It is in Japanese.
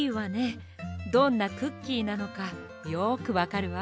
どんなクッキーなのかよくわかるわ。